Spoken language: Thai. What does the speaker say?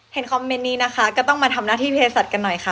คอมเมนต์นี้นะคะก็ต้องมาทำหน้าที่เพศสัตว์กันหน่อยค่ะ